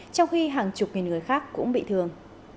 trong khi hàng chục nghìn người khác cũng bị thương